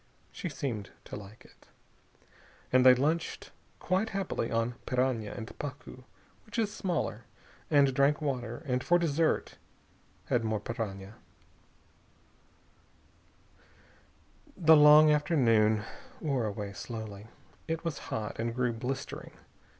She seemed to like it. And they lunched quite happily on piranha and pacu which is smaller and drank water, and for dessert had more piranha. The long afternoon wore away slowly. It was hot, and grew blistering.